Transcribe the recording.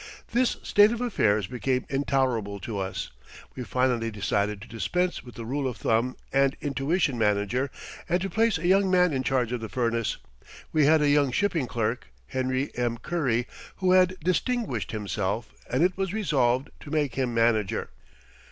This state of affairs became intolerable to us. We finally decided to dispense with the rule of thumb and intuition manager, and to place a young man in charge of the furnace. We had a young shipping clerk, Henry M. Curry, who had distinguished himself, and it was resolved to make him manager.